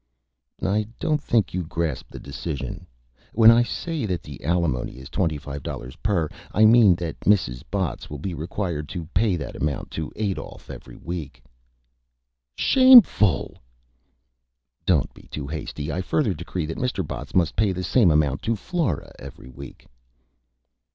"I don't think you grasp the Decision. When I say that the Alimony is $25 per, I mean that Mrs. Botts will be required to pay that Amount to Adolph every week." "Shameful!" "Don't be too hasty. I further Decree that Mr. Botts must pay the same Amount to Flora every Week."